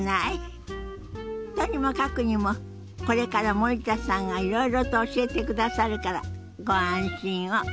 とにもかくにもこれから森田さんがいろいろと教えてくださるからご安心を。